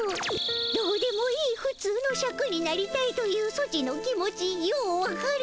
どうでもいいふつうのシャクになりたいというソチの気持ちようわかる。